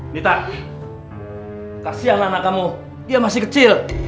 mita kasihan anak kamu dia masih kecil